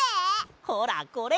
ほらこれ。